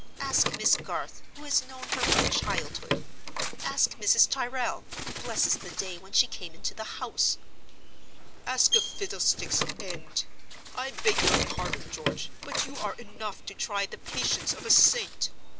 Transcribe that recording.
Ask Miss Garth, who has known her from childhood. Ask Mrs. Tyrrel, who blesses the day when she came into the house—" "Ask a fiddlestick's end! I beg your pardon, George, but you are enough to try the patience of a saint.